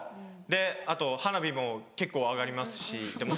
であと花火も結構上がりますし。